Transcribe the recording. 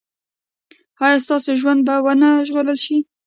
ایا ستاسو ژوند به و نه ژغورل شي؟